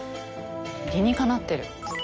理にかなってる。